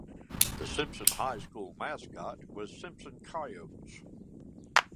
The Simpson High School mascot was Simpson Coyotes.